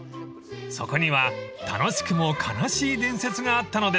［そこには楽しくも悲しい伝説があったのです］